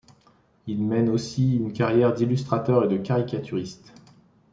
Il mène aussi une carrière d’illustrateur et de caricaturiste.